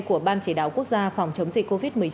của ban chỉ đạo quốc gia phòng chống dịch covid một mươi chín